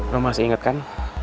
lo masih inget kan